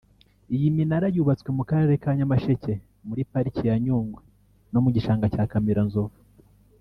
Iyi minara yubatswe mu karere ka Nyamasheke muri Pariki ya Nyungwe no mu gishanga cya Kamiranzovu